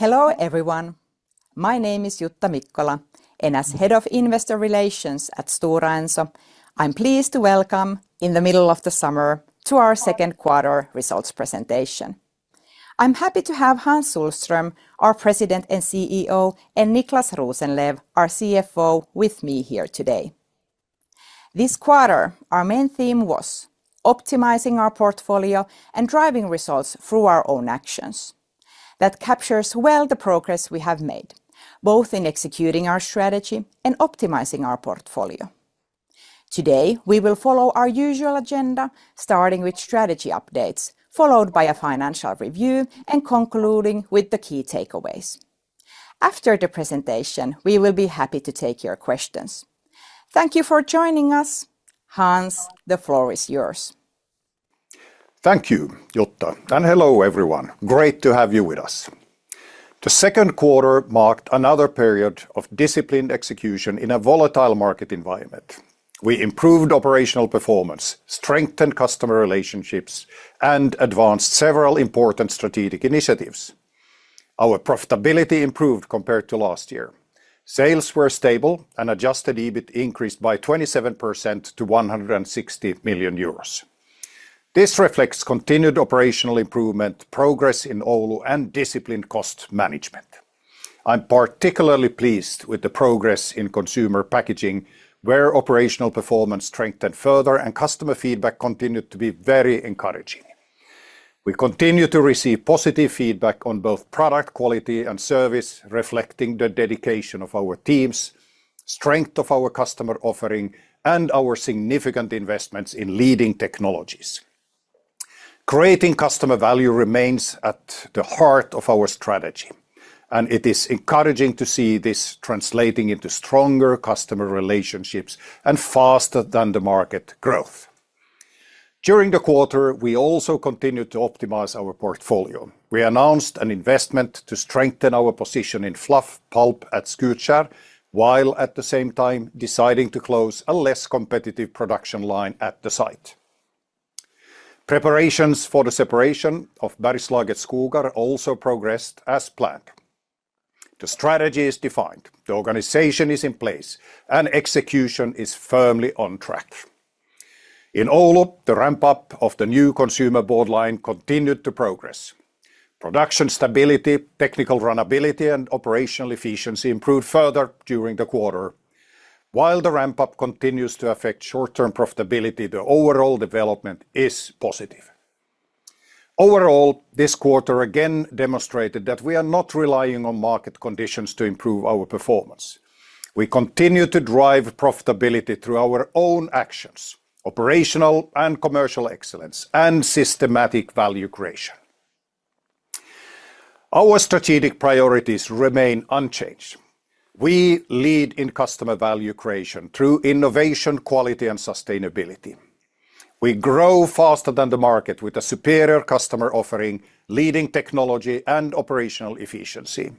Hello everyone. My name is Jutta Mikkola, and as Head of Investor Relations at Stora Enso, I'm pleased to welcome you in the middle of the summer to our second quarter results presentation. I'm happy to have Hans Sohlström, our President and CEO, and Niclas Rosenlew, our CFO, with me here today. This quarter, our main theme was optimizing our portfolio and driving results through our own actions. That captures well the progress we have made, both in executing our strategy and optimizing our portfolio. Today, we will follow our usual agenda, starting with strategy updates, followed by a financial review, and concluding with the key takeaways. After the presentation, we will be happy to take your questions. Thank you for joining us. Hans, the floor is yours. Thank you, Jutta. Hello everyone. Great to have you with us. The second quarter marked another period of disciplined execution in a volatile market environment. We improved operational performance, strengthened customer relationships, and advanced several important strategic initiatives. Our profitability improved compared to last year. Sales were stable and adjusted EBIT increased by 27% to 160 million euros. This reflects continued operational improvement, progress in Oulu, and disciplined cost management. I'm particularly pleased with the progress in consumer packaging, where operational performance strengthened further and customer feedback continued to be very encouraging. We continue to receive positive feedback on both product quality and service, reflecting the dedication of our teams, strength of our customer offering, and our significant investments in leading technologies. Creating customer value remains at the heart of our strategy. It is encouraging to see this translating into stronger customer relationships and faster than the market growth. During the quarter, we also continued to optimize our portfolio. We announced an investment to strengthen our position in fluff pulp at Skutskär, while at the same time deciding to close a less competitive production line at the site. Preparations for the separation of Bergslagets Skogar also progressed as planned. The strategy is defined, the organization is in place, and execution is firmly on track. In Oulu, the ramp-up of the new consumer board line continued to progress. Production stability, technical runnability, and operational efficiency improved further during the quarter. While the ramp-up continues to affect short-term profitability, the overall development is positive. Overall, this quarter again demonstrated that we are not relying on market conditions to improve our performance. We continue to drive profitability through our own actions, operational and commercial excellence, and systematic value creation. Our strategic priorities remain unchanged. We lead in customer value creation through innovation, quality, and sustainability. We grow faster than the market with a superior customer offering, leading technology, and operational efficiency.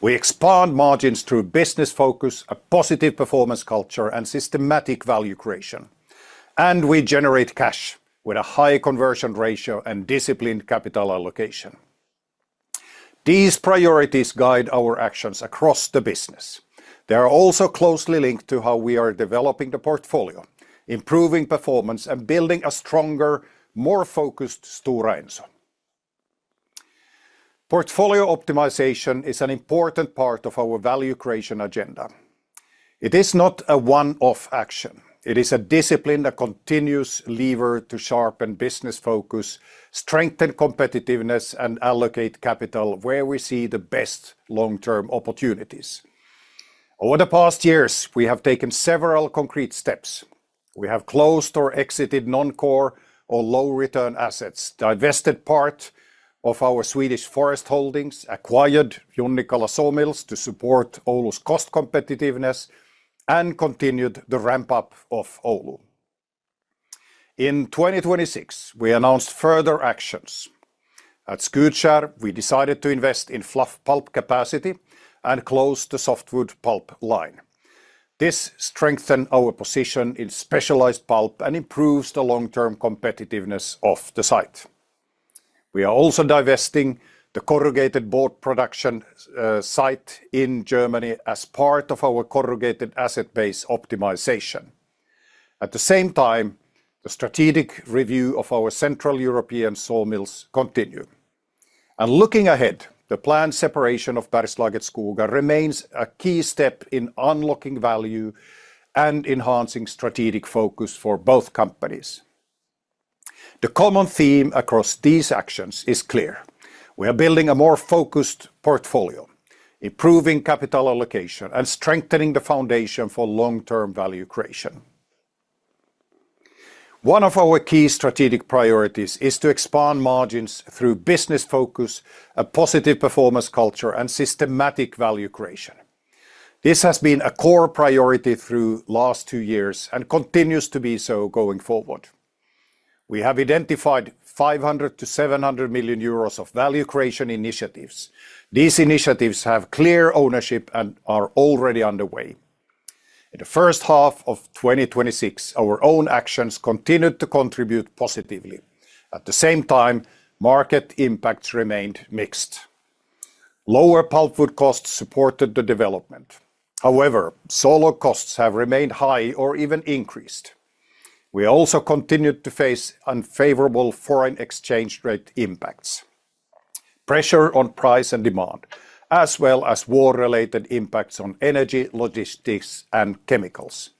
We expand margins through business focus, a positive performance culture, and systematic value creation. We generate cash with a high conversion ratio and disciplined capital allocation. These priorities guide our actions across the business. They are also closely linked to how we are developing the portfolio, improving performance, and building a stronger, more focused Stora Enso. Portfolio optimization is an important part of our value creation agenda. It is not a one-off action. It is a discipline, a continuous lever to sharpen business focus, strengthen competitiveness, and allocate capital where we see the best long-term opportunities. Over the past years, we have taken several concrete steps. We have closed or exited non-core or low-return assets, divested part of our Swedish forest holdings, acquired Junnikkala sawmills to support Oulu's cost competitiveness, and continued the ramp-up of Oulu. In 2026, we announced further actions. At Skutskär, we decided to invest in fluff pulp capacity and close the softwood pulp line. This strengthened our position in specialized pulp and improves the long-term competitiveness of the site. We are also divesting the corrugated board production site in Germany as part of our corrugated asset base optimization. At the same time, the strategic review of our central European sawmills continue. Looking ahead, the planned separation of Bergslagets Skogar remains a key step in unlocking value and enhancing strategic focus for both companies. The common theme across these actions is clear. We are building a more focused portfolio, improving capital allocation, and strengthening the foundation for long-term value creation. One of our key strategic priorities is to expand margins through business focus, a positive performance culture, and systematic value creation. This has been a core priority through last two years and continues to be so going forward. We have identified 500 million-700 million euros of value creation initiatives. These initiatives have clear ownership and are already underway. In the first half of 2026, our own actions continued to contribute positively. At the same time, market impacts remained mixed. Lower pulpwood costs supported the development. However, sawlog costs have remained high or even increased. We also continued to face unfavorable foreign exchange rate impacts, pressure on price and demand, as well as war-related impacts on energy, logistics, and chemicals.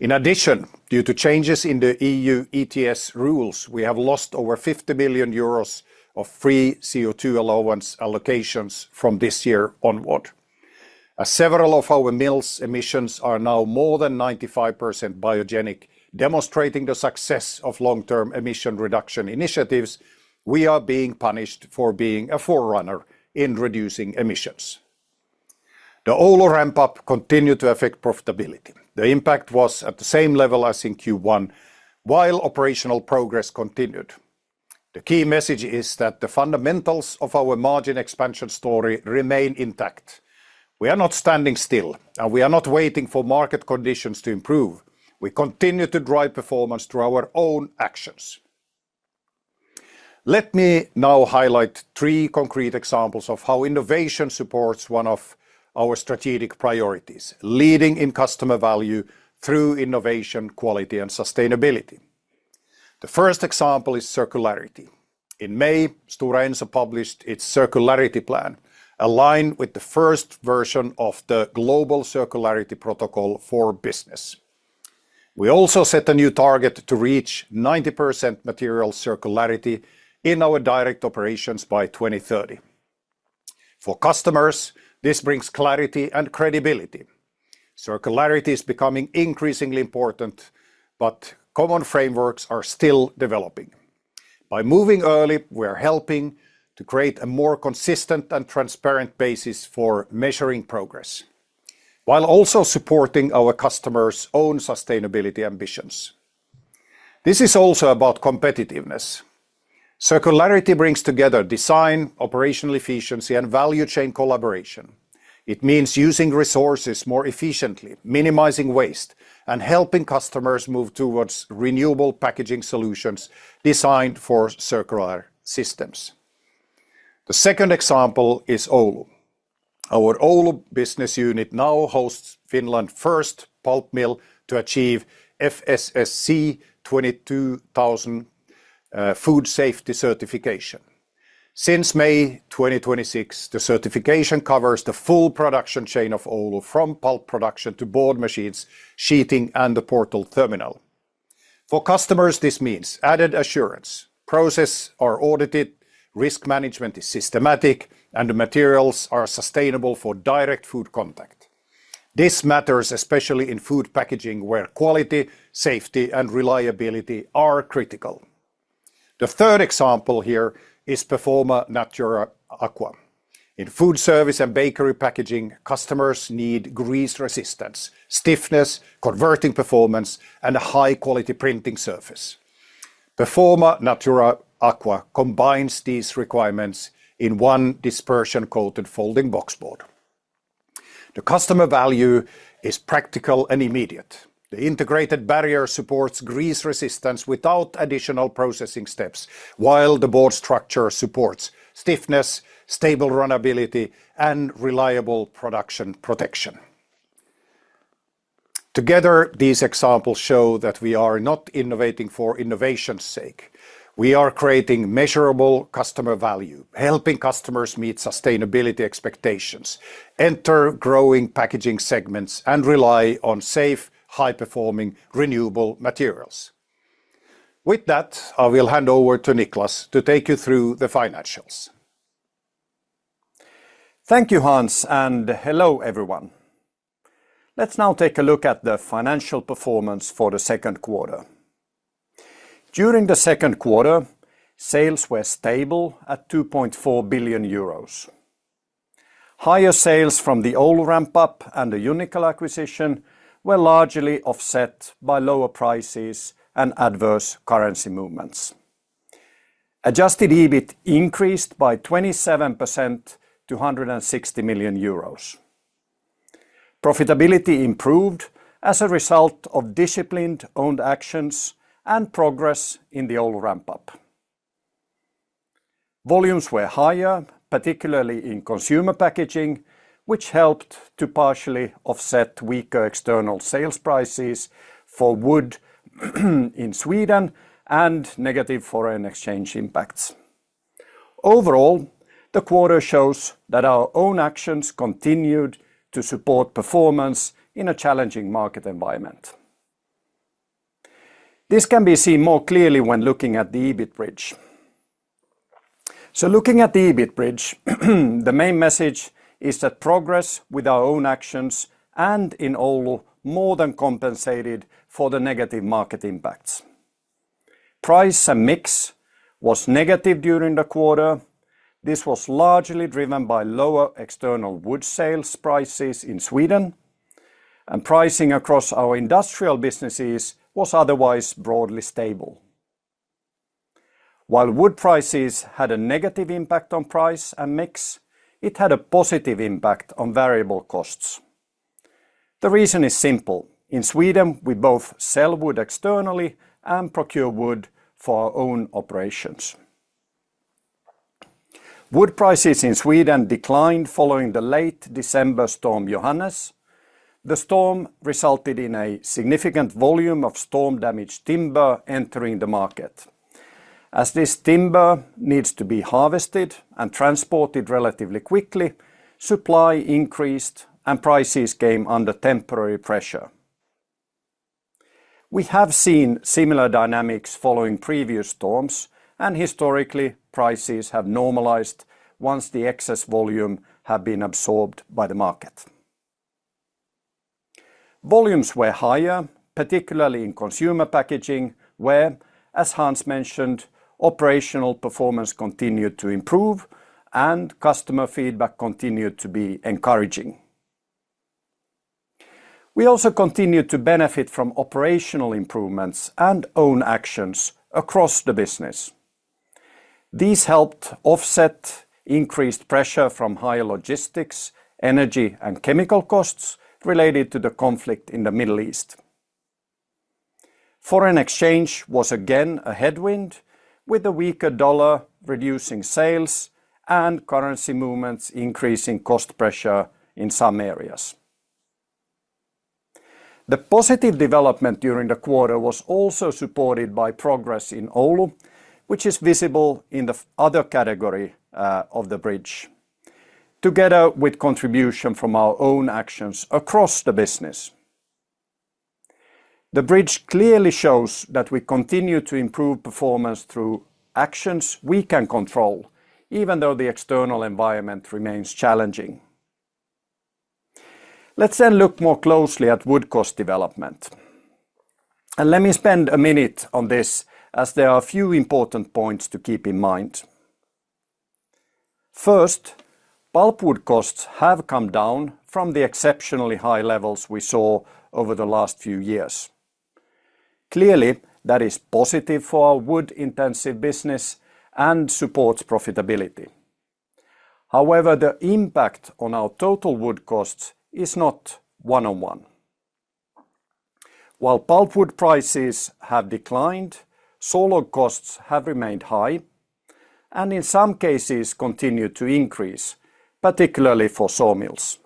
In addition, due to changes in the EU ETS rules, we have lost over 50 million euros of free CO2 allowance allocations from this year onward. As several of our mills' emissions are now more than 95% biogenic, demonstrating the success of long-term emission reduction initiatives, we are being punished for being a forerunner in reducing emissions. The Oulu ramp-up continued to affect profitability. The impact was at the same level as in Q1, while operational progress continued. The key message is that the fundamentals of our margin expansion story remain intact. We are not standing still, we are not waiting for market conditions to improve. We continue to drive performance through our own actions. Let me now highlight three concrete examples of how innovation supports one of our strategic priorities: leading in customer value through innovation, quality, and sustainability. The first example is circularity. In May, Stora Enso published its circularity plan, aligned with the first version of the Global Circularity Protocol for Business. We also set a new target to reach 90% material circularity in our direct operations by 2030. For customers, this brings clarity and credibility. Circularity is becoming increasingly important, common frameworks are still developing. By moving early, we are helping to create a more consistent and transparent basis for measuring progress, while also supporting our customers' own sustainability ambitions. This is also about competitiveness. Circularity brings together design, operational efficiency, and value chain collaboration. It means using resources more efficiently, minimizing waste, and helping customers move towards renewable packaging solutions designed for circular systems. The second example is Oulu. Our Oulu business unit now hosts Finland's first pulp mill to achieve FSSC 22000 food safety certification. Since May 2026, the certification covers the full production chain of Oulu, from pulp production to board machines, sheeting, and the portal terminal. For customers, this means added assurance. Processes are audited, risk management is systematic, and the materials are sustainable for direct food contact. This matters especially in food packaging, where quality, safety, and reliability are critical. The third example here is Performa Natura Aqua. In foodservice and bakery packaging, customers need grease resistance, stiffness, converting performance, and a high-quality printing surface. Performa Natura Aqua combines these requirements in one dispersion-coated folding boxboard. The customer value is practical and immediate. The integrated barrier supports grease resistance without additional processing steps, while the board structure supports stiffness, stable runnability, and reliable production protection. Together, these examples show that we are not innovating for innovation's sake. We are creating measurable customer value, helping customers meet sustainability expectations, enter growing packaging segments, and rely on safe, high-performing renewable materials. With that, I will hand over to Niclas to take you through the financials. Thank you, Hans, and hello, everyone. Let's now take a look at the financial performance for the second quarter. During the second quarter, sales were stable at 2.4 billion euros. Higher sales from the Oulu ramp-up and the Junnikkala acquisition were largely offset by lower prices and adverse currency movements. Adjusted EBIT increased by 27% to 160 million euros. Profitability improved as a result of disciplined own actions and progress in the Oulu ramp-up. Volumes were higher, particularly in consumer packaging, which helped to partially offset weaker external sales prices for wood in Sweden and negative foreign exchange impacts. Overall, the quarter shows that our own actions continued to support performance in a challenging market environment. This can be seen more clearly when looking at the EBIT bridge. Looking at the EBIT bridge, the main message is that progress with our own actions and in Oulu more than compensated for the negative market impacts. Price and mix was negative during the quarter. This was largely driven by lower external wood sales prices in Sweden, and pricing across our industrial businesses was otherwise broadly stable. While wood prices had a negative impact on price and mix, it had a positive impact on variable costs. The reason is simple. In Sweden, we both sell wood externally and procure wood for our own operations. Wood prices in Sweden declined following the late December Storm Johannes. The storm resulted in a significant volume of storm-damaged timber entering the market. As this timber needs to be harvested and transported relatively quickly, supply increased and prices came under temporary pressure. We have seen similar dynamics following previous storms, and historically, prices have normalized once the excess volume have been absorbed by the market. Volumes were higher, particularly in consumer packaging, where, as Hans mentioned, operational performance continued to improve and customer feedback continued to be encouraging. We also continued to benefit from operational improvements and own actions across the business. These helped offset increased pressure from higher logistics, energy and chemical costs related to the conflict in the Middle East. Foreign exchange was again a headwind, with the weaker dollar reducing sales and currency movements increasing cost pressure in some areas. The positive development during the quarter was also supported by progress in Oulu, which is visible in the other category of the bridge, together with contribution from our own actions across the business. The bridge clearly shows that we continue to improve performance through actions we can control, even though the external environment remains challenging. Let's look more closely at wood cost development. Let me spend a minute on this, as there are a few important points to keep in mind. First, pulpwood costs have come down from the exceptionally high levels we saw over the last few years. Clearly, that is positive for our wood-intensive business and supports profitability. However, the impact on our total wood costs is not one-on-one. While pulpwood prices have declined, sawlog costs have remained high and, in some cases, continue to increase, particularly for sawmills.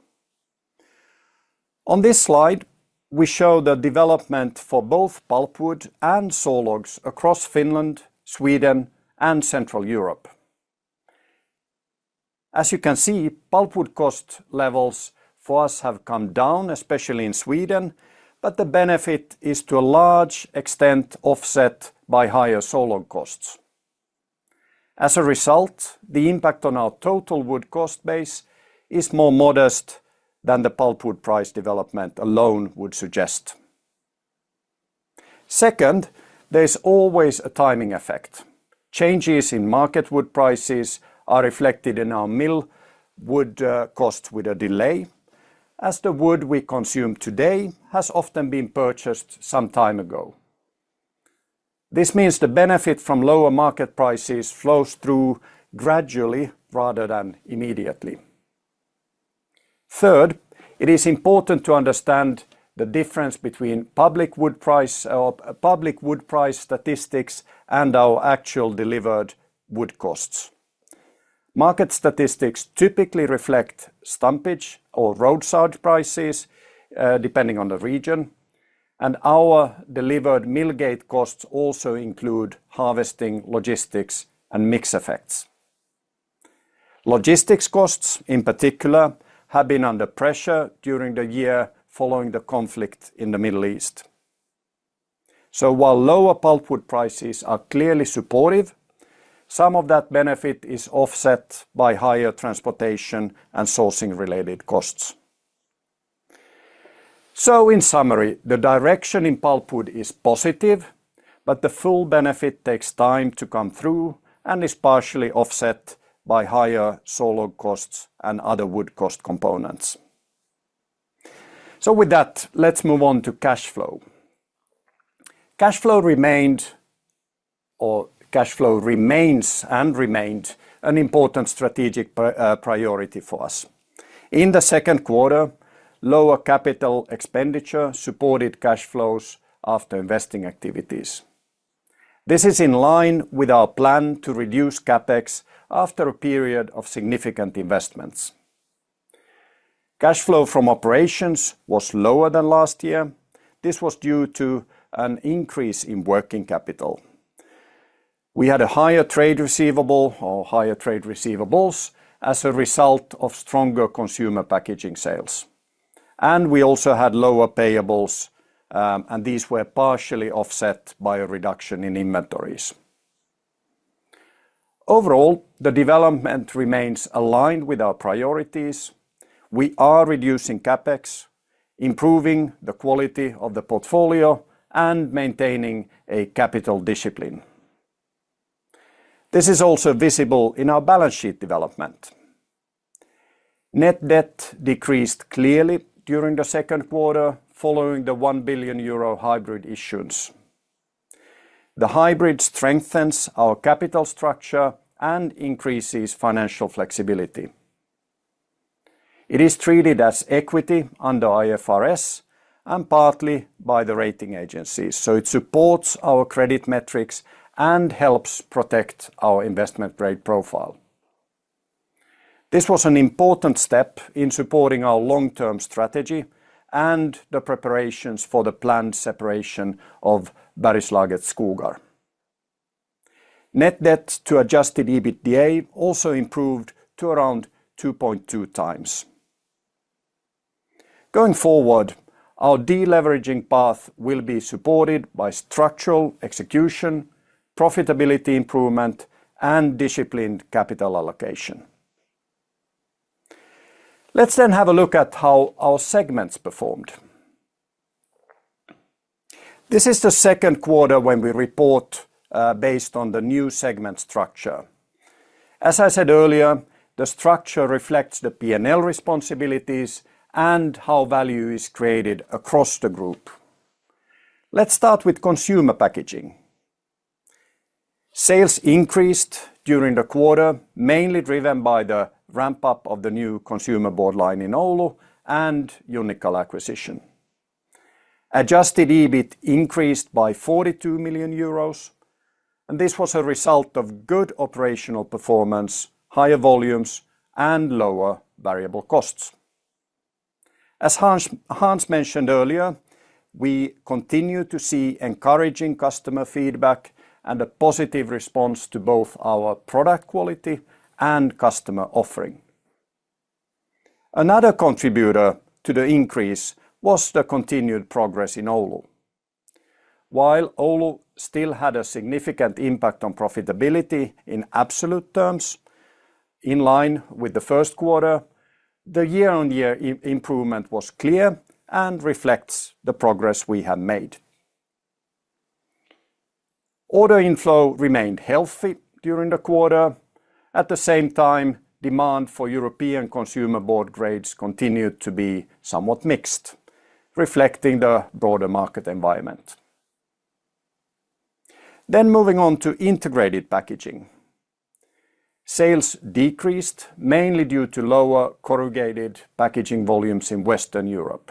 On this slide, we show the development for both pulpwood and sawlogs across Finland, Sweden, and Central Europe. As you can see, pulpwood cost levels for us have come down, especially in Sweden, but the benefit is to a large extent offset by higher sawlog costs. As a result, the impact on our total wood cost base is more modest than the pulpwood price development alone would suggest. Second, there's always a timing effect. Changes in market wood prices are reflected in our mill wood cost with a delay, as the wood we consume today has often been purchased some time ago. This means the benefit from lower market prices flows through gradually rather than immediately. Third, it is important to understand the difference between public wood price statistics and our actual delivered wood costs. Market statistics typically reflect stumpage or road charge prices, depending on the region, and our delivered mill gate costs also include harvesting, logistics, and mix effects. Logistics costs, in particular, have been under pressure during the year following the conflict in the Middle East. While lower pulpwood prices are clearly supportive, some of that benefit is offset by higher transportation and sourcing related costs. In summary, the direction in pulpwood is positive, but the full benefit takes time to come through and is partially offset by higher sawlog costs and other wood cost components. With that, let's move on to cash flow. Cash flow remains and remained an important strategic priority for us. In the second quarter, lower capital expenditure supported cash flows after investing activities. This is in line with our plan to reduce CapEx after a period of significant investments. Cash flow from operations was lower than last year. This was due to an increase in working capital. We had a higher trade receivable or higher trade receivables as a result of stronger consumer packaging sales. We also had lower payables, and these were partially offset by a reduction in inventories. Overall, the development remains aligned with our priorities. We are reducing CapEx, improving the quality of the portfolio, and maintaining a capital discipline. This is also visible in our balance sheet development. Net debt decreased clearly during the second quarter following the 1 billion euro hybrid issuance. The hybrid strengthens our capital structure and increases financial flexibility. It is treated as equity under IFRS and partly by the rating agencies, so it supports our credit metrics and helps protect our investment-grade profile. This was an important step in supporting our long-term strategy and the preparations for the planned separation of Bergslagets Skogar. Net debt to adjusted EBITDA also improved to around 2.2x. Going forward, our de-leveraging path will be supported by structural execution, profitability improvement, and disciplined capital allocation. Let's have a look at how our segments performed. This is the second quarter when we report based on the new segment structure. As I said earlier, the structure reflects the P&L responsibilities and how value is created across the group. Let's start with consumer packaging. Sales increased during the quarter, mainly driven by the ramp-up of the new consumer board line in Oulu and Junnikkala acquisition. Adjusted EBIT increased by 42 million euros, and this was a result of good operational performance, higher volumes, and lower variable costs. As Hans mentioned earlier, we continue to see encouraging customer feedback and a positive response to both our product quality and customer offering. Another contributor to the increase was the continued progress in Oulu. While Oulu still had a significant impact on profitability in absolute terms, in line with the first quarter, the year-on-year improvement was clear and reflects the progress we have made. Order inflow remained healthy during the quarter. At the same time, demand for European consumer board grades continued to be somewhat mixed, reflecting the broader market environment. Moving on to integrated packaging. Sales decreased mainly due to lower corrugated packaging volumes in Western Europe.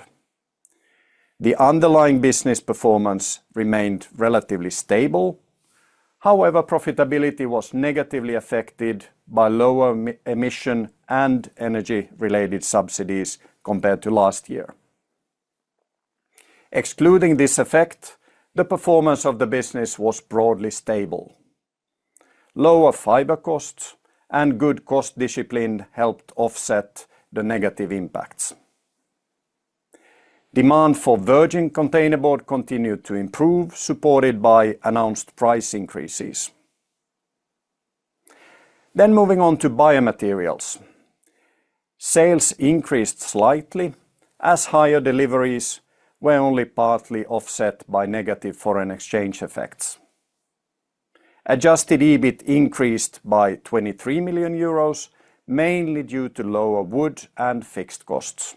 The underlying business performance remained relatively stable. However, profitability was negatively affected by lower emission and energy-related subsidies compared to last year. Excluding this effect, the performance of the business was broadly stable. Lower fiber costs and good cost discipline helped offset the negative impacts. Demand for virgin containerboard continued to improve, supported by announced price increases. Moving on to biomaterials. Sales increased slightly as higher deliveries were only partly offset by negative foreign exchange effects. Adjusted EBIT increased by 23 million euros, mainly due to lower wood and fixed costs.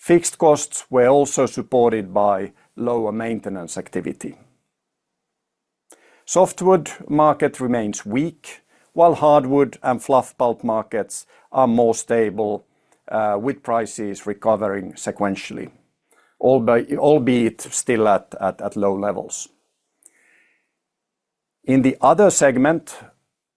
Fixed costs were also supported by lower maintenance activity. Softwood market remains weak, while hardwood and fluff pulp markets are more stable, with prices recovering sequentially, albeit still at low levels. In the other segment,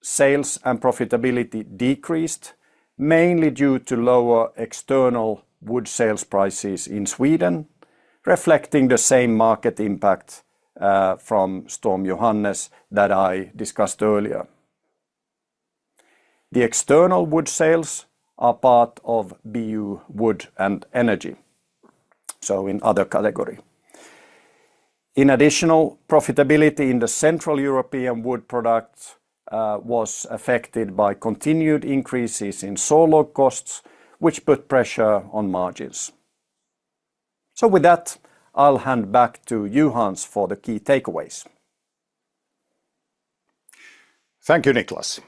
sales and profitability decreased, mainly due to lower external wood sales prices in Sweden, reflecting the same market impact from Storm Johannes that I discussed earlier. The external wood sales are part of BU Wood and Energy, in other category. In additional profitability in the Central European wood products was affected by continued increases in sawlog costs, which put pressure on margins. With that, I'll hand back to you, Hans, for the key takeaways. Thank you, Niclas.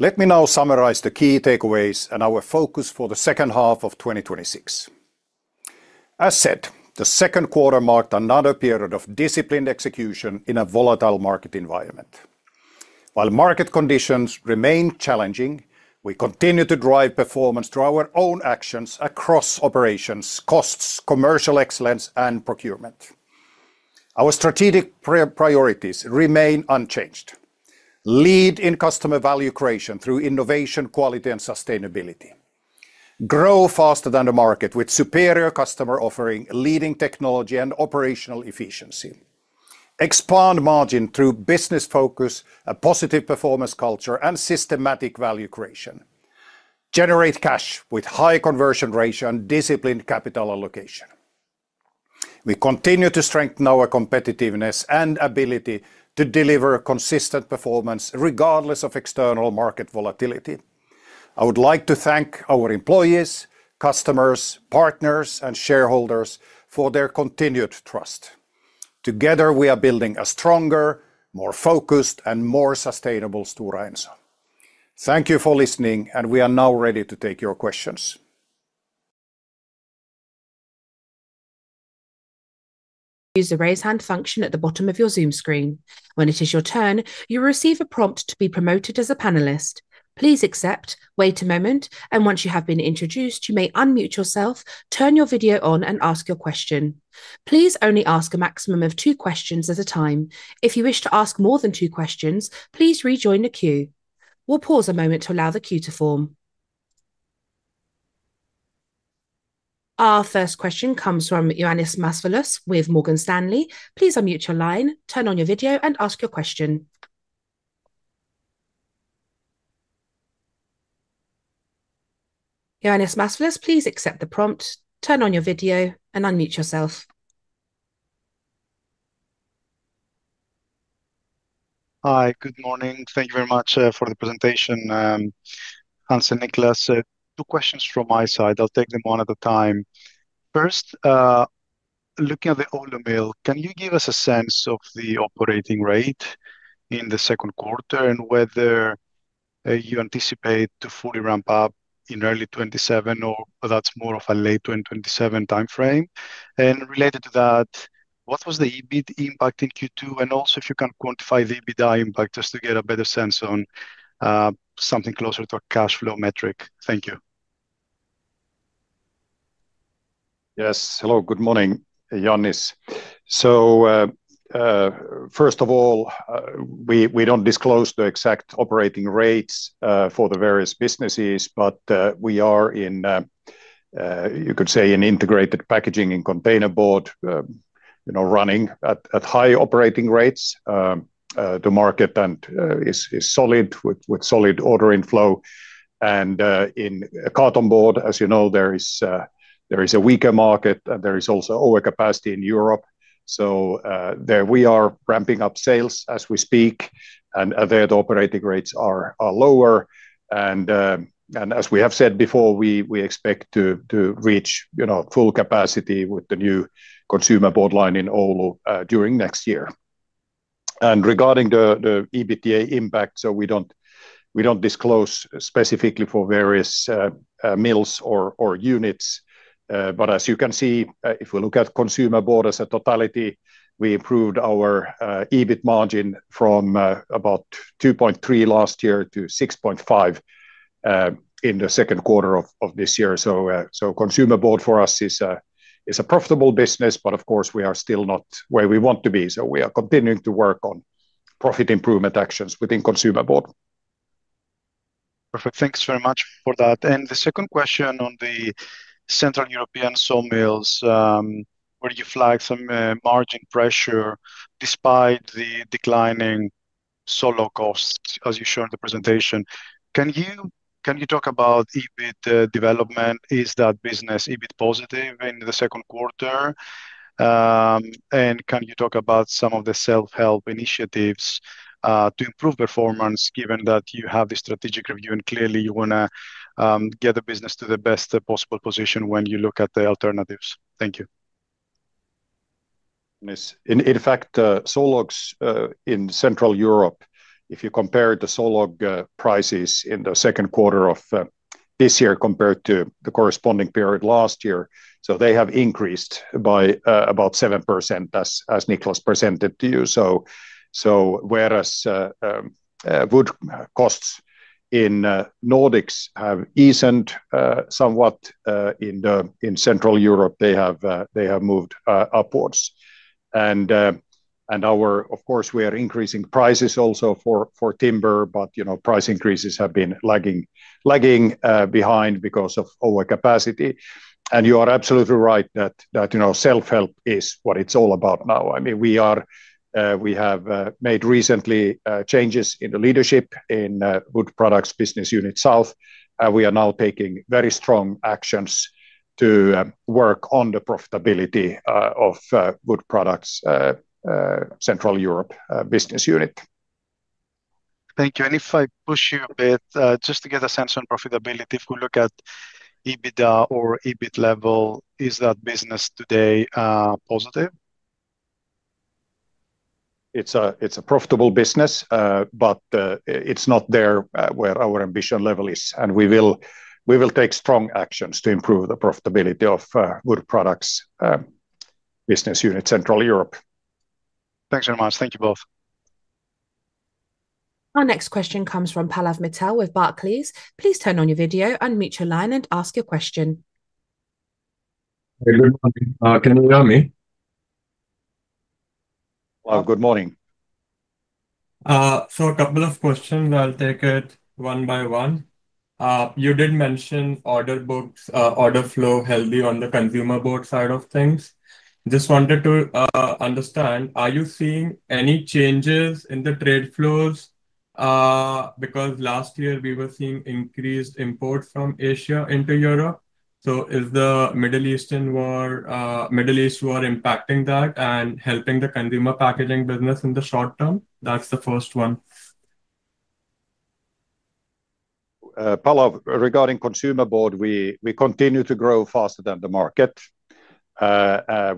Let me now summarize the key takeaways and our focus for the second half of 2026. As said, the second quarter marked another period of disciplined execution in a volatile market environment. While market conditions remain challenging, we continue to drive performance through our own actions across operations, costs, commercial excellence, and procurement. Our strategic priorities remain unchanged. Lead in customer value creation through innovation, quality, and sustainability. Grow faster than the market with superior customer offering, leading technology, and operational efficiency. Expand margin through business focus, a positive performance culture, and systematic value creation. Generate cash with high conversion ratio and disciplined capital allocation. We continue to strengthen our competitiveness and ability to deliver a consistent performance regardless of external market volatility. I would like to thank our employees, customers, partners, and shareholders for their continued trust Together we are building a stronger, more focused, and more sustainable Stora Enso. Thank you for listening, and we are now ready to take your questions. Use the raise hand function at the bottom of your Zoom screen. When it is your turn, you'll receive a prompt to be promoted as a panelist. Please accept, wait a moment, and once you have been introduced, you may unmute yourself, turn your video on, and ask your question. Please only ask a maximum of two questions at a time. If you wish to ask more than two questions, please rejoin the queue. We'll pause a moment to allow the queue to form. Our first question comes from Ioannis Masvoulas with Morgan Stanley. Please unmute your line, turn on your video, and ask your question. Ioannis Masvoulas, please accept the prompt, turn on your video, and unmute yourself. Hi. Good morning. Thank you very much for the presentation, Hans and Niclas. Two questions from my side. I'll take them one at a time. First, looking at the Oulu mill, can you give us a sense of the operating rate in the second quarter and whether you anticipate to fully ramp up in early 2027, or that's more of a late 2027 timeframe? Related to that, what was the EBIT impact in Q2? Also if you can quantify the EBITDA impact, just to get a better sense on something closer to a cash flow metric. Thank you. Yes. Hello. Good morning, Ioannis. First of all, we don't disclose the exact operating rates for the various businesses, but we are in, you could say, an integrated packaging and containerboard running at high operating rates. The market is solid with solid ordering flow. In a cartonboard, as you know, there is a weaker market. There is also overcapacity in Europe, so we are ramping up sales as we speak, and there the operating rates are lower. As we have said before, we expect to reach full capacity with the new consumer board line in Oulu during next year. Regarding the EBITDA impact, we don't disclose specifically for various mills or units. As you can see, if we look at consumer board as a totality, we improved our EBIT margin from about 2.3% last year to 6.5% in the second quarter of this year. Consumer board for us is a profitable business, but of course, we are still not where we want to be. We are continuing to work on profit improvement actions within consumer board. Perfect. Thanks very much for that. The second question on the Central European sawmills, where you flagged some margin pressure despite the declining sawlog costs, as you showed in the presentation. Can you talk about EBIT development? Is that business EBIT positive in the second quarter? Can you talk about some of the self-help initiatives to improve performance, given that you have the strategic review and clearly you want to get the business to the best possible position when you look at the alternatives? Thank you. Yes. In fact, sawlogs in Central Europe, if you compare the sawlog prices in second quarter of this year compared to the corresponding period last year, they have increased by about 7%, as Niclas presented to you. Whereas wood costs in Nordics have eased somewhat, in Central Europe they have moved upwards. Of course, we are increasing prices also for timber, but price increases have been lagging behind because of overcapacity. You are absolutely right that self-help is what it's all about now. We have made recently changes in the leadership in Wood Products business unit South. We are now taking very strong actions to work on the profitability of Wood Products Central Europe business unit. Thank you. If I push you a bit, just to get a sense on profitability. If we look at EBITDA or EBIT level, is that business today positive? It's a profitable business, but it's not there where our ambition level is, and we will take strong actions to improve the profitability of Wood Products business unit Central Europe. Thanks very much. Thank you both. Our next question comes from Pallav Mittal with Barclays. Please turn on your video, unmute your line, and ask your question. Good morning. Can you hear me? Good morning. A couple of questions. I will take it one by one. You did mention order books, order flow healthy on the consumer board side of things. Just wanted to understand, are you seeing any changes in the trade flows? Last year we were seeing increased import from Asia into Europe. Is the Middle East war impacting that and helping the consumer packaging business in the short term? That is the first one. Pallav, regarding consumer board, we continue to grow faster than the market.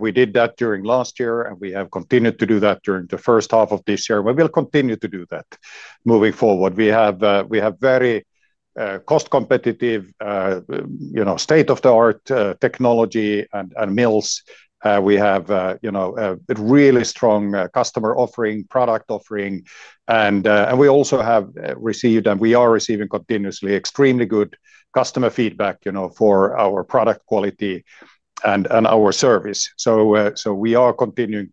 We did that during last year, and we have continued to do that during the first half of this year. We will continue to do that moving forward. We have very cost competitive, state-of-the-art technology and mills. We have a really strong customer offering, product offering, and we also have received, and we are receiving continuously extremely good customer feedback for our product quality and our service. We are continuing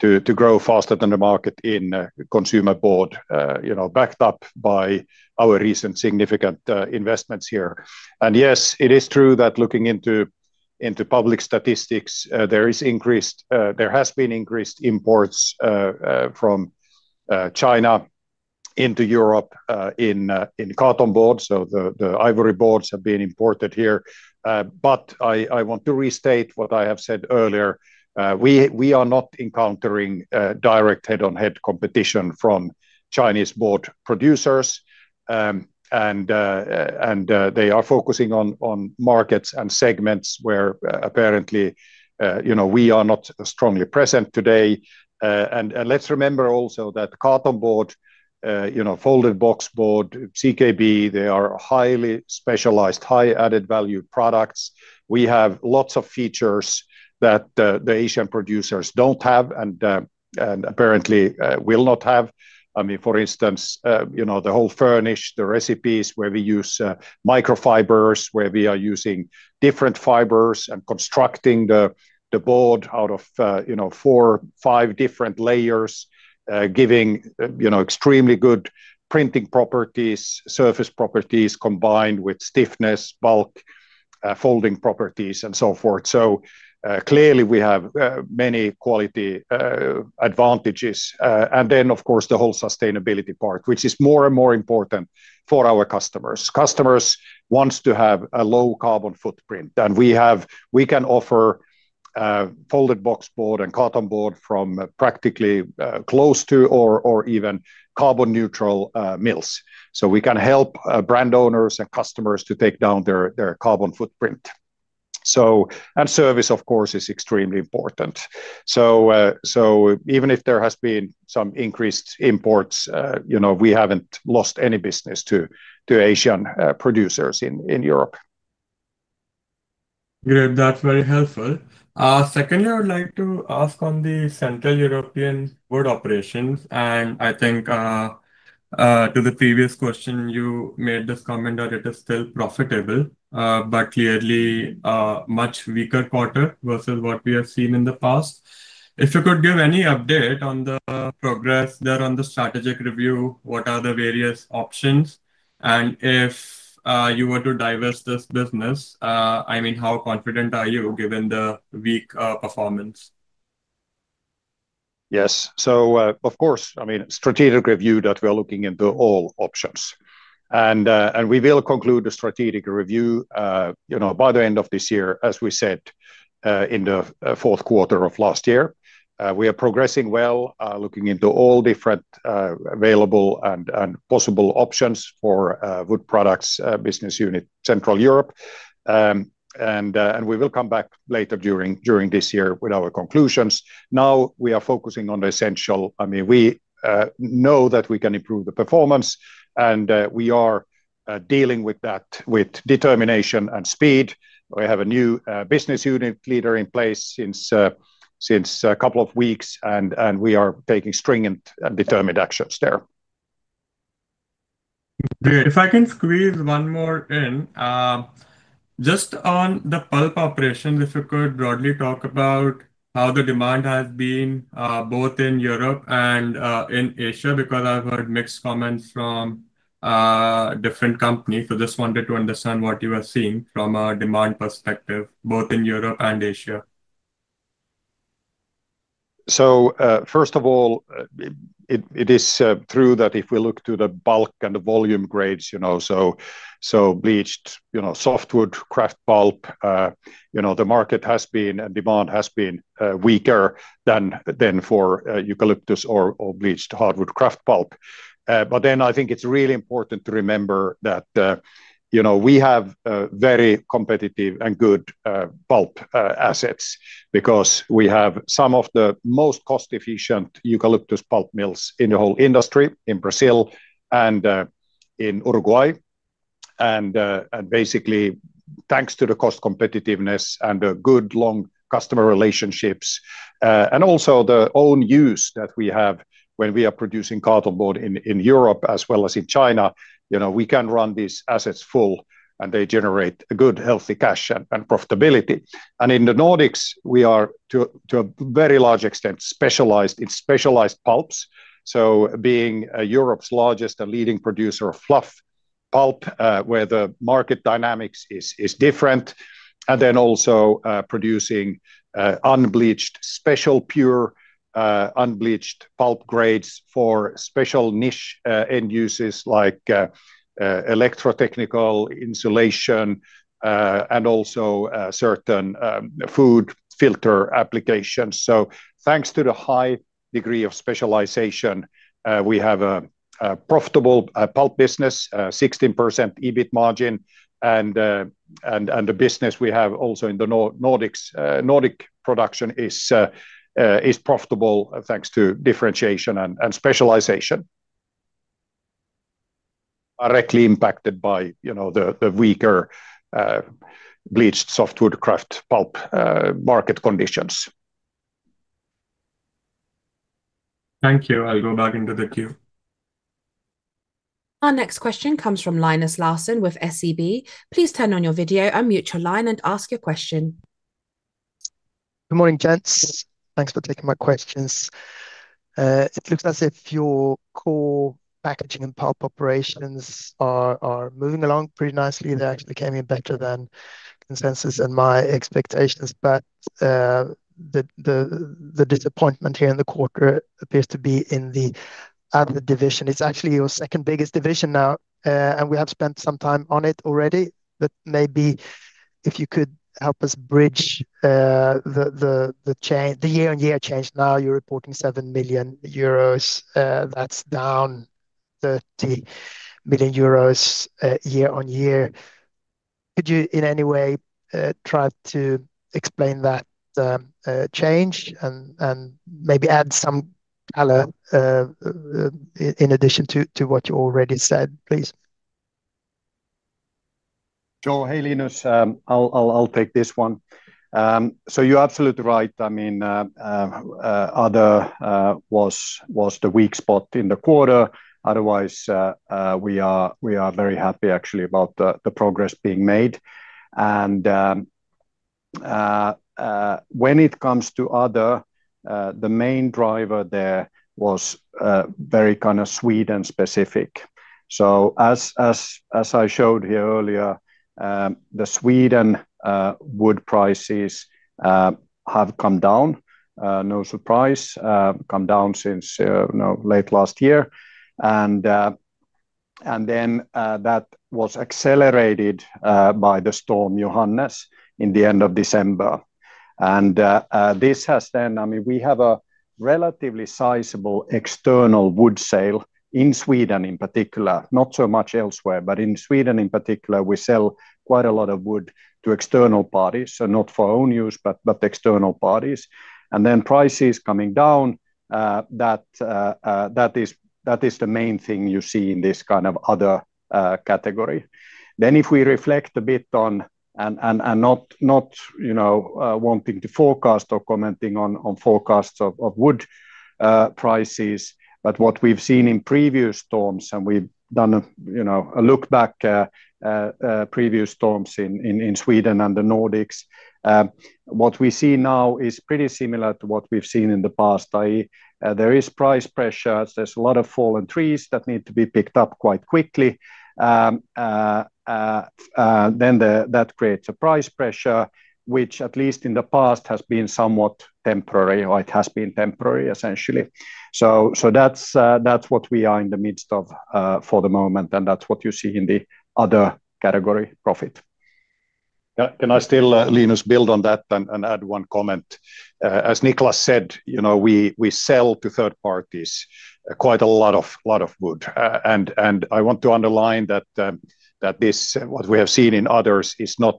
to grow faster than the market in consumer board, backed up by our recent significant investments here. Yes, it is true that looking into public statistics, there has been increased imports from China into Europe in carton board. The ivory boards have been imported here. I want to restate what I have said earlier. We are not encountering direct head-on-head competition from Chinese board producers. They are focusing on markets and segments where apparently we are not strongly present today. Let's remember also that carton board, folding boxboard, CKB, they are highly specialized, high added value products. We have lots of features that the Asian producers don't have and apparently will not have. For instance, the whole furnish, the recipes where we use microfibers, where we are using different fibers and constructing the board out of four, five different layers giving extremely good printing properties, surface properties combined with stiffness, bulk, folding properties, and so forth. Clearly we have many quality advantages. Then, of course, the whole sustainability part, which is more and more important for our customers. Customers wants to have a low carbon footprint than we have. We can offer folding boxboard and carton board from practically close to, or even carbon neutral mills, so we can help brand owners and customers to take down their carbon footprint. Service, of course, is extremely important. Even if there has been some increased imports, we haven't lost any business to Asian producers in Europe. Great. That's very helpful. Secondly, I would like to ask on the Central European wood operations, I think to the previous question, you made this comment that it is still profitable, but clearly a much weaker quarter versus what we have seen in the past. If you could give any update on the progress there on the strategic review, what are the various options? If you were to divest this business, how confident are you given the weak performance? Yes. Of course, strategic review that we are looking into all options. We will conclude the strategic review by the end of this year, as we said, in the fourth quarter of last year. We are progressing well, looking into all different available and possible options for Wood Products business unit Central Europe. We will come back later during this year with our conclusions. Now we are focusing on the essential. We know that we can improve the performance, and we are dealing with that with determination and speed. We have a new business unit leader in place since a couple of weeks, and we are taking stringent and determined actions there. Great. If I can squeeze one more in, just on the pulp operation, if you could broadly talk about how the demand has been, both in Europe and in Asia, because I've heard mixed comments from different company. Just wanted to understand what you are seeing from a demand perspective, both in Europe and Asia. First of all, it is true that if we look to the bulk and the volume grades, bleached softwood kraft pulp, the market has been, and demand has been weaker than for eucalyptus or bleached hardwood kraft pulp. I think it's really important to remember that we have very competitive and good pulp assets because we have some of the most cost-efficient eucalyptus pulp mills in the whole industry in Brazil and in Uruguay. Basically, thanks to the cost competitiveness and the good long customer relationships, and also the own use that we have when we are producing carton board in Europe as well as in China, we can run these assets full, and they generate a good, healthy cash and profitability. In the Nordics, we are to a very large extent specialized in specialized pulps. Being Europe's largest and leading producer of fluff pulp, where the market dynamics is different, and then also producing unbleached, special pure unbleached pulp grades for special niche end uses like electrotechnical insulation, and also certain food filter applications. Thanks to the high degree of specialization, we have a profitable pulp business, 16% EBIT margin. The business we have also in the Nordic production is profitable, thanks to differentiation and specialization. Directly impacted by the weaker bleached softwood kraft pulp market conditions. Thank you. I will go back into the queue. Our next question comes from Linus Larsson with SEB. Please turn on your video, unmute your line and ask your question. Good morning, gents. Thanks for taking my questions. It looks as if your core packaging and pulp operations are moving along pretty nicely. They actually came in better than consensus and my expectations. The disappointment here in the quarter appears to be in the other division. It's actually your second biggest division now, and we have spent some time on it already. Maybe if you could help us bridge the year-on-year change. Now you're reporting 7 million euros, that's down 30 million euros year-on-year. Could you in any way try to explain that change and maybe add some color in addition to what you already said, please? Sure. Hey, Linus. I'll take this one. You're absolutely right. I mean, other was the weak spot in the quarter. Otherwise, we are very happy actually about the progress being made. When it comes to other, the main driver there was very kind of Sweden specific. As I showed here earlier, the Sweden wood prices have come down. No surprise. Come down since late last year. That was accelerated by the Storm Johannes in the end of December. We have a relatively sizable external wood sale in Sweden in particular, not so much elsewhere. In Sweden in particular, we sell quite a lot of wood to external parties. Not for our own use, but external parties. Prices coming down, that is the main thing you see in this kind of other category. If we reflect a bit on, not wanting to forecast or commenting on forecasts of wood prices, but what we've seen in previous storms, and we've done a look back previous storms in Sweden and the Nordics. What we see now is pretty similar to what we've seen in the past, i.e., there is price pressures, there's a lot of fallen trees that need to be picked up quite quickly. That creates a price pressure, which at least in the past has been somewhat temporary, or it has been temporary essentially. That's what we are in the midst of for the moment, and that's what you see in the other category profit. Can I still, Linus, build on that and add one comment? As Niclas said, we sell to third parties quite a lot of wood. I want to underline that what we have seen in others is not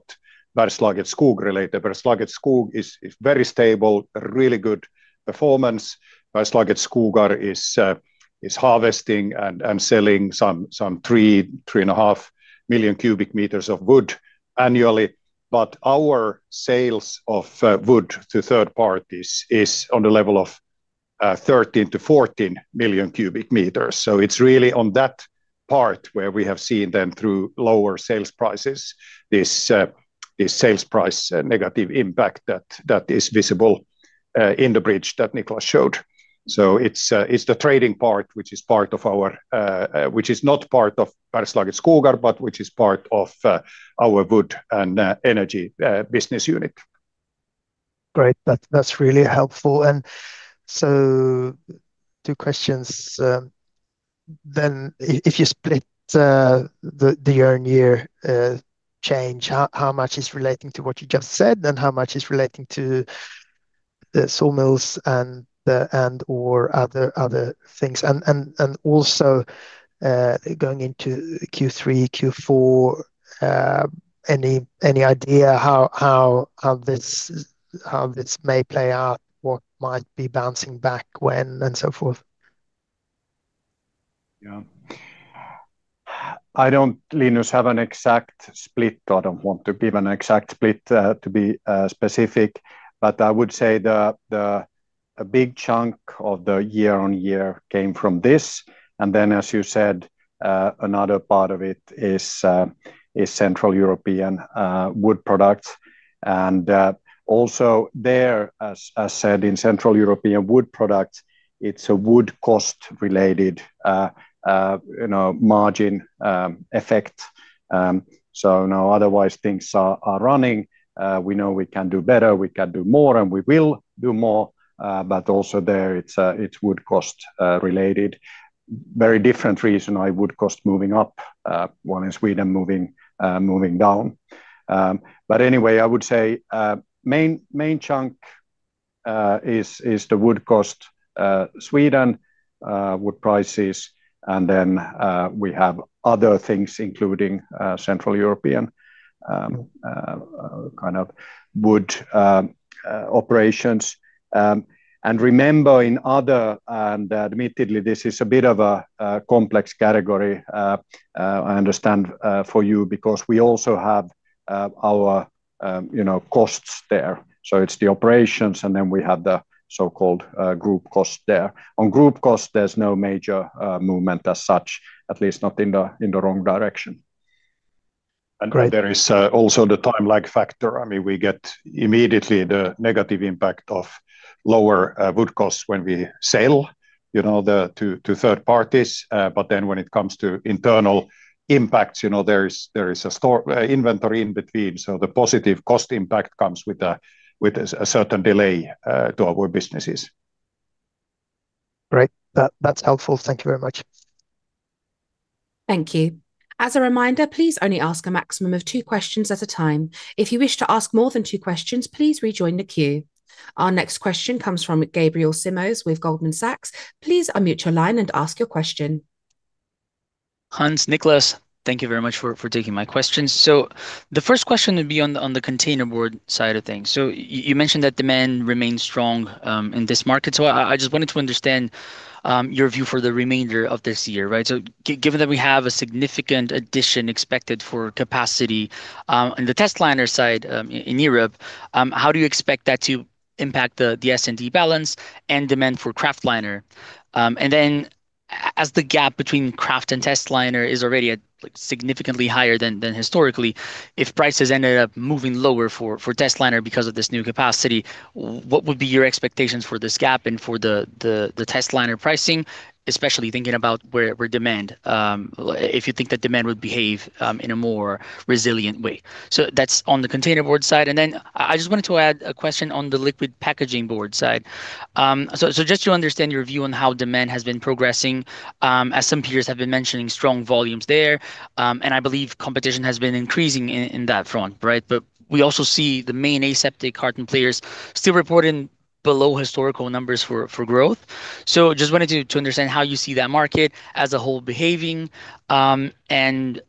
Bergslagets Skogar related. Bergslagets Skogar is very stable, really good performance. Bergslagets Skogar is harvesting and selling some three and a half million cubic meters of wood annually. Our sales of wood to third parties is on the level of 13 million-14 million cubic meters. It's really on that part where we have seen them through lower sales prices, this sales price negative impact that is visible in the bridge that Niclas showed. It's the trading part which is not part of Bergslagets Skogar, but which is part of our Wood and Energy business unit. Great. That's really helpful. Two questions then. If you split the year-on-year change, how much is relating to what you just said, and how much is relating to the sawmills and, or other things? Also going into Q3, Q4 any idea how this may play out, what might be bouncing back when and so forth? Yeah. I don't, Linus, have an exact split. I don't want to give an exact split to be specific. I would say a big chunk of the year-on-year came from this. As you said, another part of it is Central European wood products. Also there, as said in Central European wood products, it's a wood cost related margin effect. Now otherwise things are running. We know we can do better, we can do more, and we will do more. Also there it's wood cost related. Very different reason why wood cost moving up, one in Sweden moving down. Anyway, I would say main chunk is the wood cost Sweden wood prices. We have other things, including Central European kind of wood operations. Remember in other, admittedly this is a bit of a complex category I understand for you, because we also have our costs there. It's the operations, then we have the so-called group cost there. On group cost, there's no major movement as such, at least not in the wrong direction. There is also the time lag factor. We get immediately the negative impact of lower wood costs when we sell to third parties. When it comes to internal impacts, there is a store inventory in between, so the positive cost impact comes with a certain delay to our businesses. Great. That's helpful. Thank you very much. Thank you. As a reminder, please only ask a maximum of two questions at a time. If you wish to ask more than two questions, please rejoin the queue. Our next question comes from Gabriel Simões with Goldman Sachs. Please unmute your line and ask your question. Hans, Niclas, thank you very much for taking my questions. The first question would be on the containerboard side of things. You mentioned that demand remains strong in this market. I just wanted to understand your view for the remainder of this year, right? Given that we have a significant addition expected for capacity on the testliner side in Europe, how do you expect that to impact the S&D balance and demand for kraftliner? As the gap between kraft and testliner is already significantly higher than historically, if prices ended up moving lower for testliner because of this new capacity, what would be your expectations for this gap and for the testliner pricing, especially thinking about where demand, if you think that demand would behave in a more resilient way. That's on the containerboard side. I just wanted to add a question on the liquid packaging board side. Just to understand your view on how demand has been progressing, as some peers have been mentioning strong volumes there, and I believe competition has been increasing in that front, right? We also see the main aseptic carton players still reporting below historical numbers for growth. Just wanted to understand how you see that market as a whole behaving, and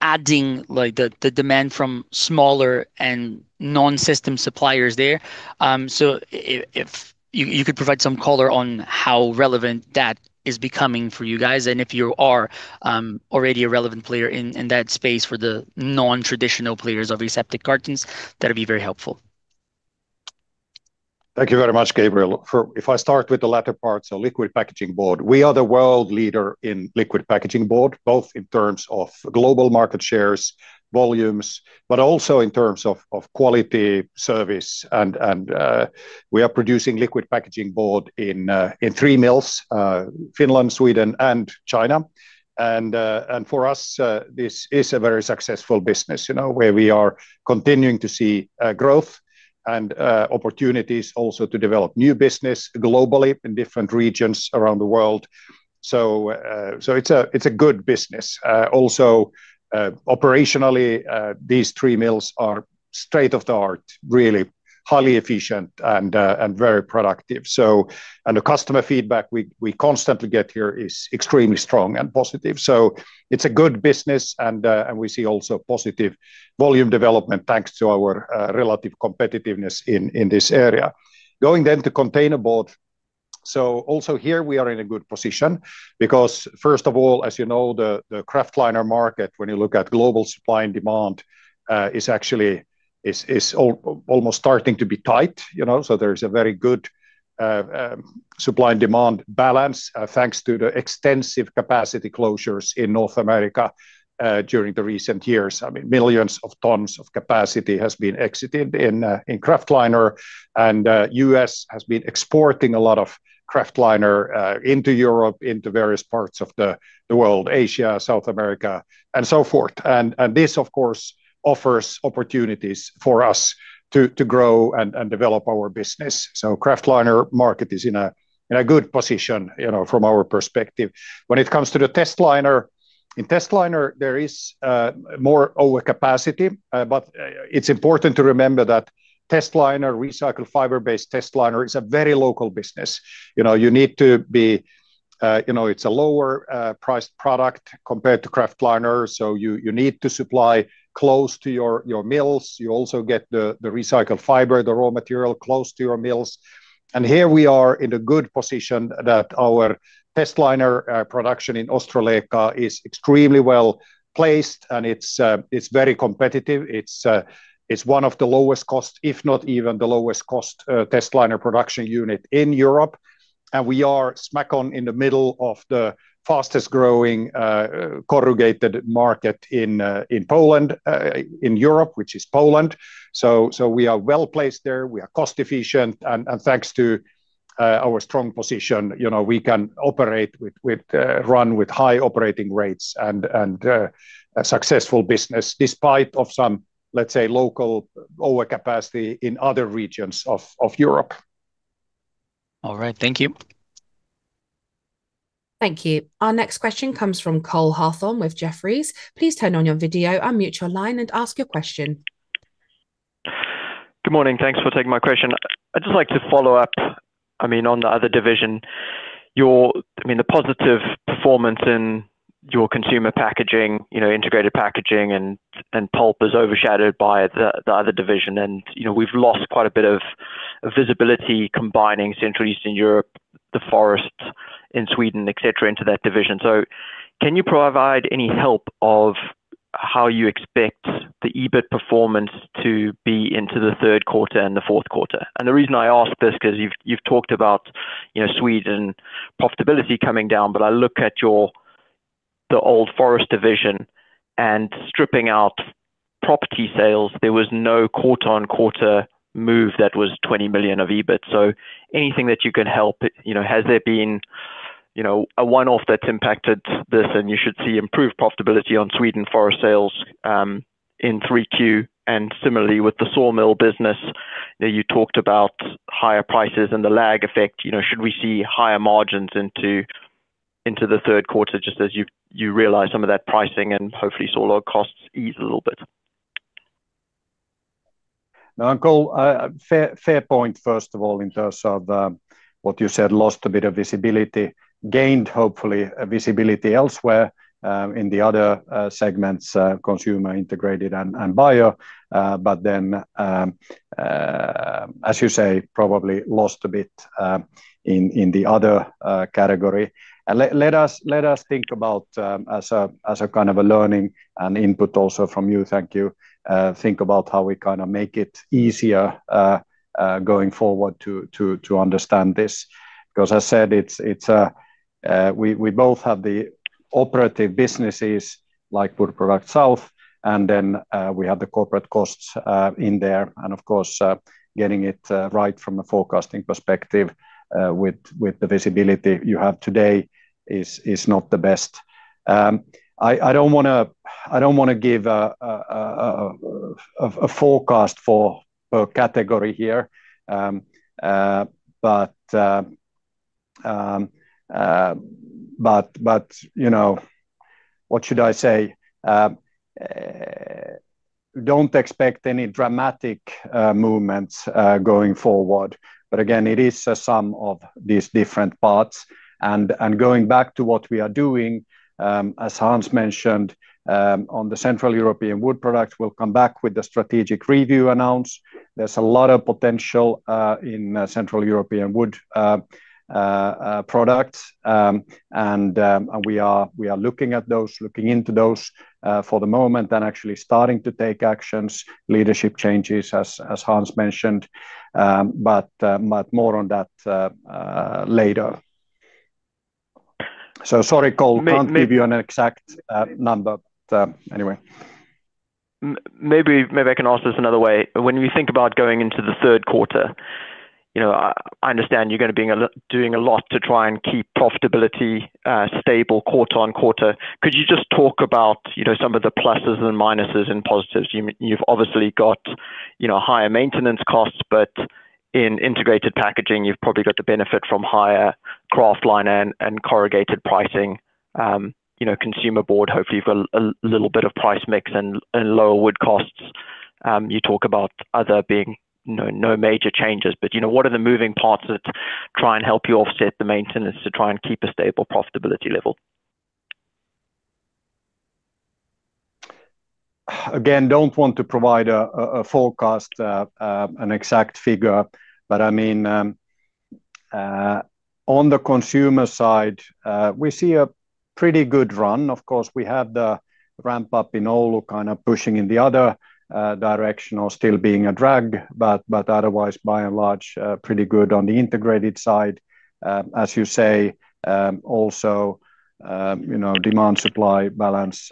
adding the demand from smaller and non-system suppliers there. If you could provide some color on how relevant that is becoming for you guys, and if you are already a relevant player in that space for the non-traditional players of aseptic cartons, that'd be very helpful. Thank you very much, Gabriel. If I start with the latter part, liquid packaging board. We are the world leader in liquid packaging board, both in terms of global market shares, volumes, but also in terms of quality, service, and we are producing liquid packaging board in three mills, Finland, Sweden, and China. For us, this is a very successful business, where we are continuing to see growth and opportunities also to develop new business globally in different regions around the world. It's a good business. Also, operationally, these three mills are state-of-the-art, really highly efficient and very productive. The customer feedback we constantly get here is extremely strong and positive. It's a good business and we see also positive volume development thanks to our relative competitiveness in this area. Going to containerboard. Also here we are in a good position because first of all, as you know, the kraftliner market, when you look at global supply and demand is actually almost starting to be tight. There is a very good supply and demand balance, thanks to the extensive capacity closures in North America, during the recent years. Millions of tons of capacity has been exited in kraftliner, and U.S. has been exporting a lot of kraftliner into Europe, into various parts of the world, Asia, South America and so forth. This, of course, offers opportunities for us to grow and develop our business. Kraftliner market is in a good position from our perspective. When it comes to the testliner. In testliner, there is more over capacity. It's important to remember that testliner, recycled fiber-based testliner is a very local business. It's a lower priced product compared to kraftliner, so you need to supply close to your mills. You also get the recycled fiber, the raw material close to your mills. Here we are in a good position that our testliner production in Ostrołęka is extremely well-placed and it's very competitive. It's one of the lowest cost, if not even the lowest cost testliner production unit in Europe. We are smack on in the middle of the fastest-growing corrugated market in Europe, which is Poland. We are well-placed there, we are cost efficient, and thanks to our strong position, we can run with high operating rates and a successful business despite of some, let's say, local overcapacity in other regions of Europe. All right. Thank you. Thank you. Our next question comes from Cole Hathorn with Jefferies. Please turn on your video, unmute your line, and ask your question. Good morning. Thanks for taking my question. I'd just like to follow-up on the other division. The positive performance in your consumer packaging, integrated packaging, and pulp is overshadowed by the other division. We've lost quite a bit of visibility combining Central Eastern Europe, the forest In Sweden, et cetera, into that division. Can you provide any help of how you expect the EBIT performance to be into the third quarter and the fourth quarter? The reason I ask this, because you've talked about Sweden profitability coming down, but I look at the old forest division and stripping out property sales, there was no quarter-on-quarter move that was 20 million of EBIT. Anything that you can help. Has there been a one-off that's impacted this and you should see improved profitability on Sweden forest sales in 3Q? Similarly, with the sawmill business, that you talked about higher prices and the lag effect. Should we see higher margins into the third quarter, just as you realize some of that pricing and hopefully sawmill costs ease a little bit? No, Cole, fair point, first of all, in terms of what you said, lost a bit of visibility, gained, hopefully, a visibility elsewhere in the other segments, consumer, integrated, and bio. As you say, probably lost a bit in the other category. Let us think about as a kind of a learning and input also from you, thank you. Think about how we make it easier going forward to understand this. I said we both have the operative businesses like Wood Product South, and then we have the corporate costs in there. Of course, getting it right from a forecasting perspective, with the visibility you have today is not the best. I don't want to give a forecast for a category here. But you know, what should I say? Don't expect any dramatic movements going forward. Again, it is a sum of these different parts. Going back to what we are doing, as Hans mentioned, on the Central European wood products, we'll come back with the strategic review announce. There's a lot of potential in Central European wood products. We are looking at those, looking into those for the moment, then actually starting to take actions, leadership changes as Hans mentioned. More on that later. Sorry, Cole, can't give you an exact number. Anyway. Maybe I can ask this another way. When we think about going into the third quarter, I understand you're going to be doing a lot to try and keep profitability stable quarter-on-quarter. Could you just talk about some of the pluses and minuses and positives? You've obviously got higher maintenance costs, in integrated packaging, you've probably got the benefit from higher kraftliner and corrugated pricing. Consumer board, hopefully a little bit of price mix and lower wood costs. You talk about other being no major changes. What are the moving parts that try and help you offset the maintenance to try and keep a stable profitability level? Again, don't want to provide a forecast, an exact figure. But I mean, on the consumer side, we see a pretty good run. Of course, we had the ramp up in Oulu pushing in the other direction or still being a drag. Otherwise, by and large, pretty good on the integrated side. As you say, also demand-supply balance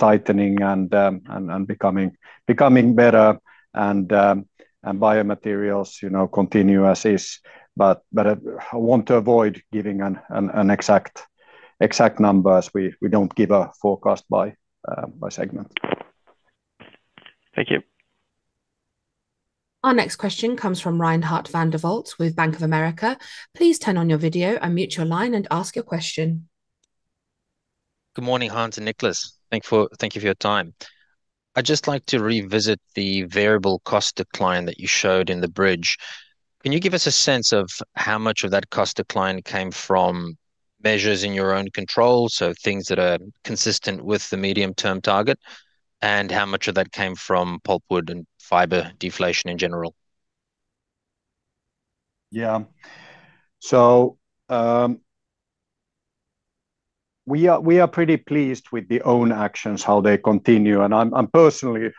tightening and becoming better and biomaterials continues. I want to avoid giving an exact numbers. We don't give a forecast by segment. Thank you. Our next question comes from Reinhardt van der Walt with Bank of America. Please turn on your video, unmute your line, and ask your question. Good morning, Hans and Niclas. Thank you for your time. I'd just like to revisit the variable cost decline that you showed in the bridge. Can you give us a sense of how much of that cost decline came from measures in your own control, so things that are consistent with the medium-term target, and how much of that came from pulpwood and fiber deflation in general? We are pretty pleased with the own actions, how they continue. Personally,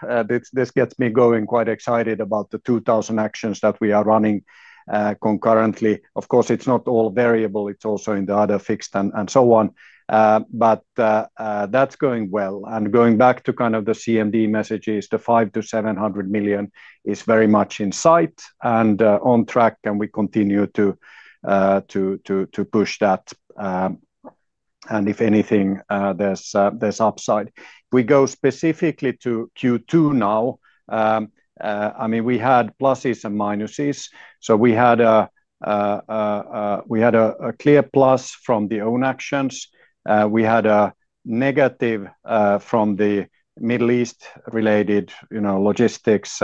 this gets me going quite excited about the 2,000 actions that we are running concurrently. Of course, it's not all variable, it's also in the other fixed and so on. That's going well. Going back to the CMD messages, the 500 million-700 million is very much in sight and on track, and we continue to push that. If anything, there's upside. We go specifically to Q2 now. We had pluses and minuses. We had a clear plus from the own actions. We had a negative from the Middle East related logistics,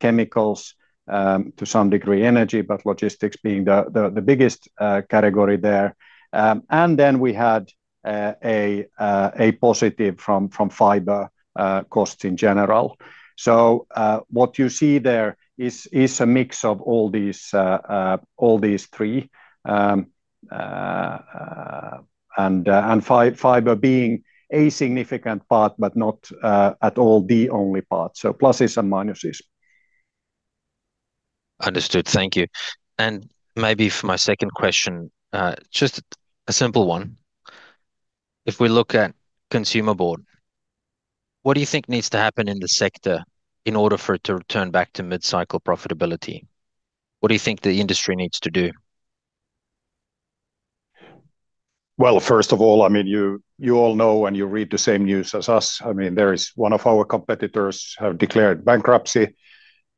chemicals, to some degree energy, but logistics being the biggest category there. We had a positive from fiber costs in general. What you see there is a mix of all these three. Fiber being a significant part, but not at all the only part. Pluses and minuses. Understood. Thank you. Maybe for my second question, just a simple one. If we look at consumer board, what do you think needs to happen in the sector in order for it to return back to mid-cycle profitability? What do you think the industry needs to do? Well, first of all, you all know and you read the same news as us. One of our competitors have declared bankruptcy.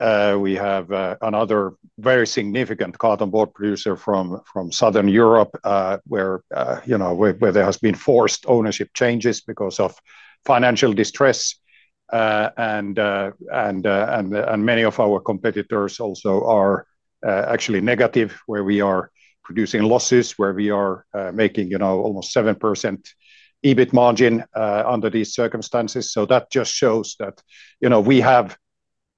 We have another very significant carton board producer from Southern Europe where there has been forced ownership changes because of financial distress. Many of our competitors also are actually negative where we are producing losses, where we are making almost 7% EBIT margin under these circumstances. That just shows that we have,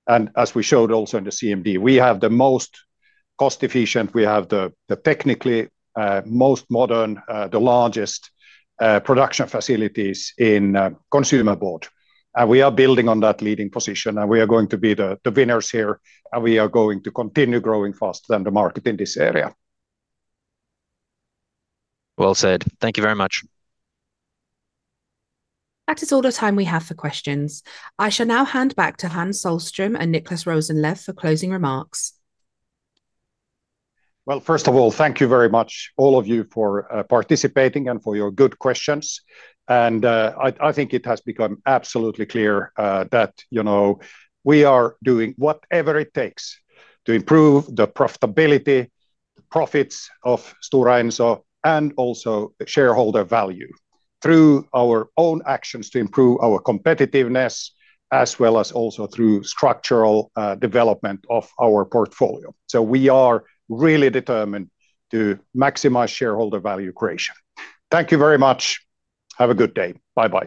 and as we showed also in the CMD, we have the most cost efficient, we have the technically most modern, the largest production facilities in consumer board. We are building on that leading position, and we are going to be the winners here, and we are going to continue growing faster than the market in this area. Well said. Thank you very much. That is all the time we have for questions. I shall now hand back to Hans Sohlström and Niclas Rosenlew for closing remarks. Well, first of all, thank you very much all of you for participating and for your good questions. I think it has become absolutely clear that we are doing whatever it takes to improve the profitability, the profits of Stora Enso, and also shareholder value through our own actions to improve our competitiveness as well as also through structural development of our portfolio. We are really determined to maximize shareholder value creation. Thank you very much. Have a good day. Bye-bye.